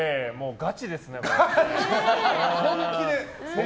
ガチですね、これ。